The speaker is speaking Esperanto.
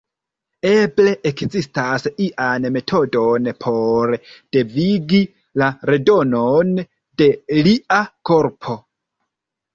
Eble ekzistas ian metodon por devigi la redonon de lia korpo.